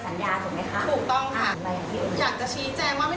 จะเอายังไงก็ไม่เอาเป็นภาษาบ้านค่ะ